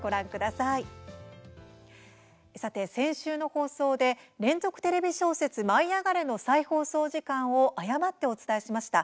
さて、先週の放送で連続テレビ小説「舞いあがれ！」の再放送時間を誤ってお伝えしました。